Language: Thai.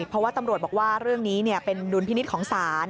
เพราะว่าตำรวจบอกว่าเรื่องนี้เป็นดุลพินิษฐ์ของศาล